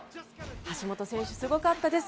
橋本選手、すごかったです。